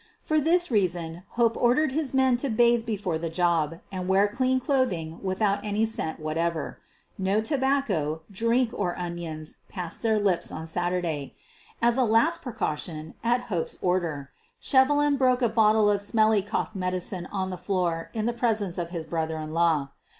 For this reason Hope ordered his men to bathe before the job and wear clean clothing without any scent whatever. No tobacco, drink, or onions passed their lips on Saturday. As a last precaution, at Hope's order, Shevelin broke a bottle of smelly ©ough medicine on the floor in the presence of his brother in law.